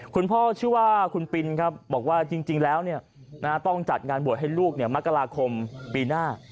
คุณพ่อชื่อว่าคุณปินครับบอกว่าจริงแล้วต้องจัดงานบวชให้ลูกมกราคมปีหน้า